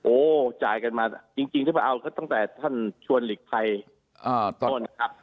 โอ้จ่ายกันมาจริงถ้ามาเอาก็ตั้งแต่ท่านชวนหลีกภัยต้นครับ